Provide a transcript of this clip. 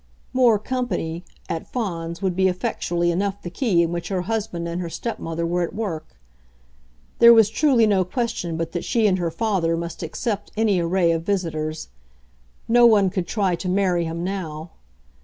"More company" at Fawns would be effectually enough the key in which her husband and her stepmother were at work; there was truly no question but that she and her father must accept any array of visitors. No one could try to marry him now.